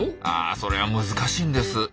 あそれは難しいんです。